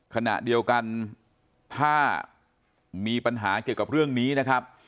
ขณะเดียวกันถ้ามีปัญหาเกี่ยวกับเรื่องนี้นะครับ